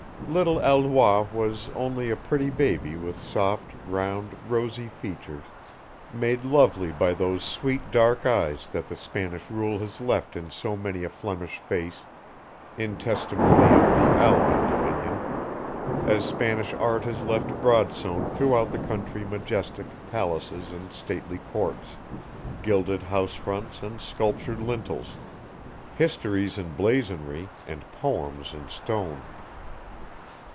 Little Alois was only a pretty baby with soft round, rosy features, made lovely by those sweet dark eyes that the Spanish rule has left in so many a Flemish face, in testimony of the Alvan dominion, as Spanish art has left broadsown throughout the country majestic palaces and stately courts, gilded house fronts and sculptured lintels histories in blazonry and poems in stone.